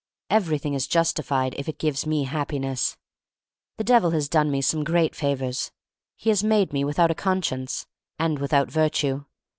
Everything is justified if it gives me Happiness. The Devil has done me some great favors ; he has made me without a conscience, and without Virtue.